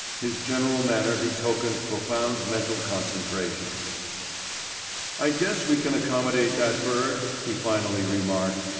His general manner betokened profound mental concentration. "I guess we can accommodate that bird," he finally remarked.